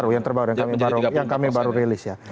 yang terbaru yang kami baru rilis ya